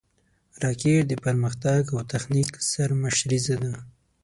راکټ د پرمختګ او تخنیک سرمشریزه ده